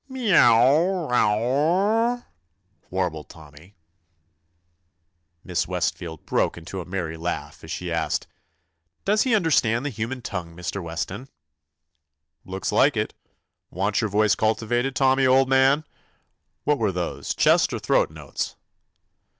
"Merow r r r r rrrr wow I" warbled Tommy. 87 THE ADVENTURES OF Miss Westfield broke into a merry laugh as she asked : "Does he under stand the human tongue, Mr. Wes ton?' "Looks like it. Want your voice cultivated, Tommy, old man? What were those, chest or throat notes?"